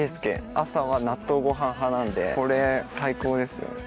朝は納豆ご飯派なのでこれ最高です。